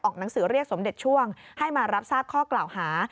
หนังสือเรียกสมเด็จช่วงให้มารับทราบข้อกล่าวหา